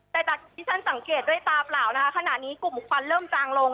แต่จากที่ฉันสังเกตด้วยตาเปล่านะคะขณะนี้กลุ่มควันเริ่มจางลง